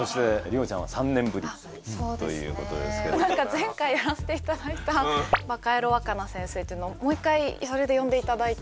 前回やらせていただいた「バカヤロわかな先生」っていうのをもう一回それで呼んでいただいて。